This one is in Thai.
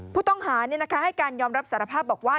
ผู้ต้องหาให้การยอมรับสารภาพบอกว่า